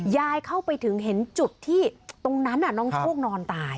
ยายเข้าไปถึงเห็นจุดที่ตรงนั้นน้องโชคนอนตาย